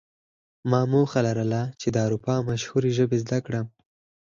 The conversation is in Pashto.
ما موخه لرله چې د اروپا مشهورې ژبې زده کړم